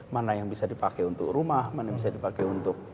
mana yang bisa dipakai untuk rumah mana yang bisa dipakai untuk